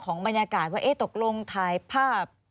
บรรยากาศว่าตกลงถ่ายภาพ